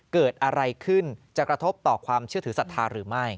เกิดอะไรขึ้นจะกระทบต่อความเชื่อถือศรัทธาหรือไม่